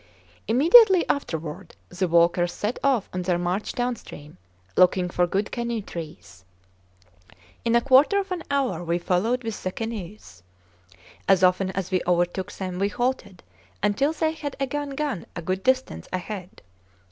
Immediately afterward the walkers set off on their march downstream, looking for good canoe trees. In a quarter of an hour we followed with the canoes. As often as we overtook them we halted until they had again gone a good distance ahead.